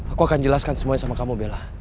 aku akan jelaskan semuanya sama kamu bella